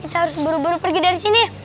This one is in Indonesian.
kita harus buru buru pergi dari sini